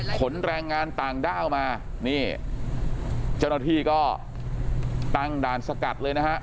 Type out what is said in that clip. ขนแรงงานต่างด้าวมานี่เจ้าหน้าที่ก็ตั้งด่านสกัดเลยนะฮะ